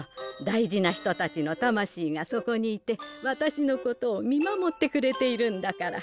大事な人たちのたましいがそこにいて私のことを見守ってくれているんだから。